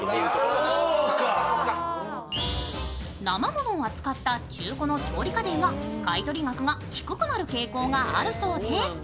なま物を扱った中古の調理家電は買取額が低くなる傾向があるそうです。